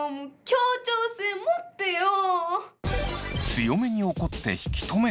協調性持ってよ！